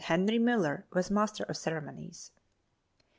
Henry Moeller was master of ceremonies.